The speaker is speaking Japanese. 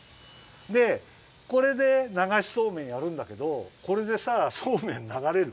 でこれでながしそうめんやるんだけどこれでさそうめんながれる？